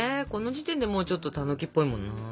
この時点でもうちょっとたぬきっぽいもんな。